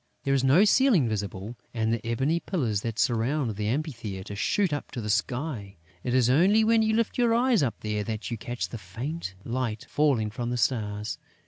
There is no ceiling visible; and the ebony pillars that surround the amphitheatre shoot up to the sky. It is only when you lift your eyes up there that you catch the faint light falling from the stars.